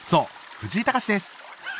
藤井隆です！